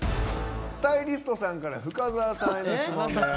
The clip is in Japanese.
スタイリストさんから深澤さんへの質問です。